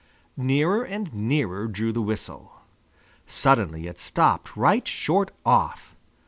Nearer and nearer drew the whistle. Suddenly it stopped right short off.